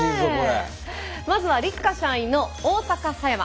まずは六花社員の大阪狭山。